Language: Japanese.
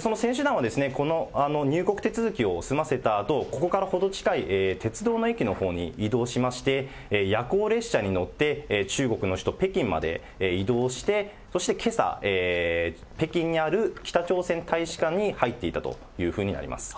その選手団は、この入国手続きを済ませたあと、ここから程近い鉄道の駅のほうに移動しまして、夜行列車に乗って中国の首都北京まで移動して、そしてけさ、北京にある北朝鮮大使館に入っていったというふうになります。